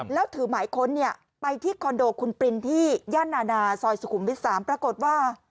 แล้วถือหมายค้นไปที่คอนโดคุณปริณที่กนส่อยสวิำปรากฏว่า